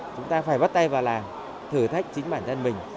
chúng ta phải bắt tay vào làm thử thách chính bản thân mình